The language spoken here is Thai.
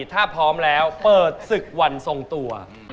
ถ้าพร้อมแล้วเปิดศึกวันทรงตัว